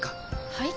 はい？